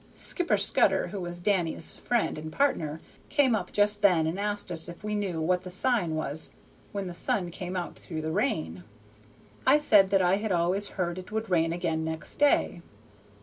Skipper Scudder, who was Danny's friend and partner, came up just then and asked us if we knew what the sign was when the sun came out through the rain. I said that I had always heard it would rain again next day.